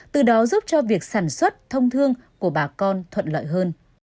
từ đó giúp cho việc sản xuất thông thương của bà con thuận lợi hơn